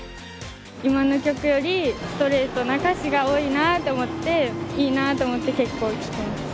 今の曲よりストレートな歌詞が多いなって思っていいなと思って結構聴きます。